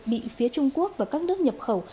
bị phía trung quốc và các nước nhập khẩu